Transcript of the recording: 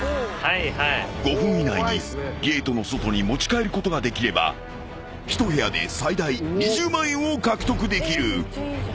［５分以内にゲートの外に持ち帰ることができれば１部屋で最大２０万円を獲得できる］